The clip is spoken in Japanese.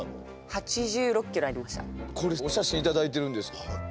お写真頂いてるんです。